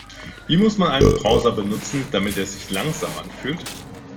Wie muss man einen Browser benutzen, damit er sich langsam anfühlt?